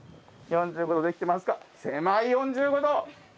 狭い４５度！